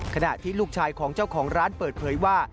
ขณะที่ลูกชายของเจ้าของร้านเปิดเผยว่า